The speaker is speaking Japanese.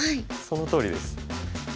そのとおりです。